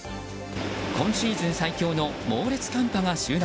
今シーズン最強の猛烈寒波が襲来。